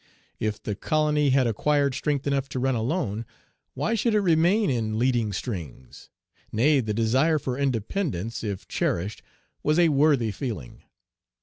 If the colony had acquired strength enough to run alone, why should it remain in leading strings? Nay, the desire for independence, if cherished, was a worthy feeling.